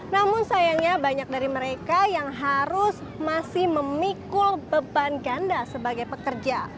namun sayangnya banyak dari mereka yang harus masih memikul beban ganda sebagai pekerja